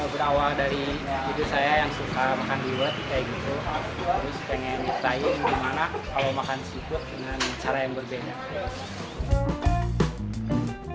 berawal dari hidup saya yang suka makan diwet saya ingin menikmati makanan seafood dengan cara yang berbeda